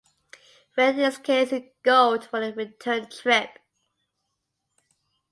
Veidt is encased in gold for the return trip.